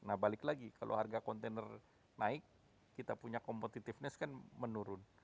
nah balik lagi kalau harga kontainer naik kita punya competitiveness kan menurun